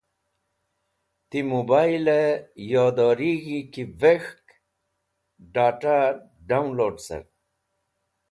Ti mobaylẽ yodorig̃hi ki vek̃hk d̃at̃aẽ dawnlowd car.